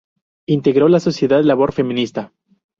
Integró la sociedad Labor Feminista.